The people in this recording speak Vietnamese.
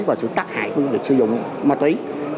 và sự tác hại của việc sử dụng ma túy